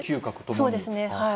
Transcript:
そうですね。